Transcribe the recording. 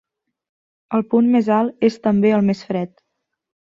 El punt més alt és també el més fred.